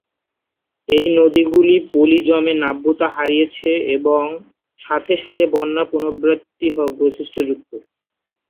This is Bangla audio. এই নদীগুলি পলি জমে নাব্যতা হারিয়েছে এবং সাথে সাথে বন্যার পুনরাবৃত্তি বৈশিষ্ট্যযুক্ত।